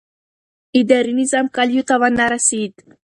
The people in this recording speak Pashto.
اداري نظام کلیو ته ونه رسېد.